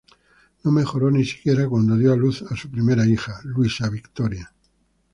No mejoró ni siquiera cuando dio a luz a su primera hija, Luisa Victoria.